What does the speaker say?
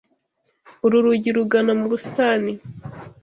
Uru rugi rugana mu busitani